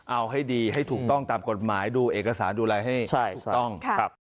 เอาให้ดีให้ถูกต้องตามกฎหมายดูเอกสารดูอะไรให้ถูกต้อง